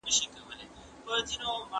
ښوونځی زدهکوونکي د همدردۍ احساس ته هڅوي.